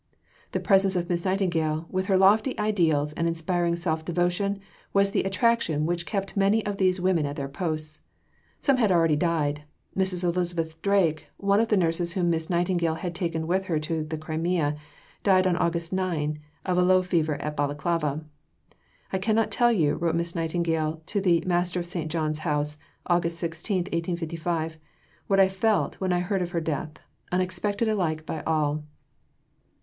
The presence of Miss Nightingale, with her lofty ideals and inspiring self devotion, was the attraction which kept many of these women at their posts. Some had already died. Mrs. Elizabeth Drake, one of the nurses whom Miss Nightingale had taken with her to the Crimea, died on August 9 of low fever at Balaclava. "I cannot tell you," wrote Miss Nightingale to the Master of St. John's House (Aug. 16, 1855), "what I felt when I heard of her death, unexpected alike by all.